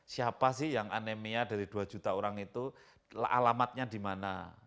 siapa sih yang anemia dari dua juta orang itu alamatnya di mana